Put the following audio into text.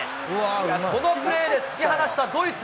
このプレーで突き放したドイツ。